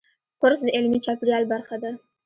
کورس د علمي چاپېریال برخه ده.